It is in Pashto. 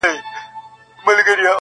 ته په څه منډي وهې موړ يې له ځانه.!